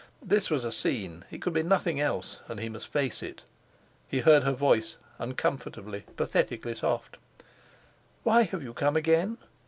This was a scene—it could be nothing else, and he must face it. He heard her voice, uncomfortably, pathetically soft: "Why have you come again?